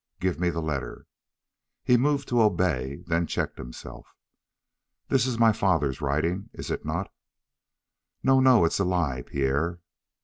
"Give me the letter." He moved to obey, and then checked himself. "This is my father's writing, is it not?" "No, no! It's a lie, Pierre!"